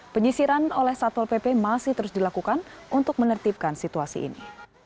penyisiran oleh satpol pp masih terus dilakukan untuk menertibkan situasi ini